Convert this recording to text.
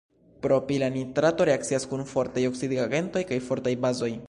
Propila nitrato reakcias kun fortaj oksidigagentoj kaj fortaj bazoj.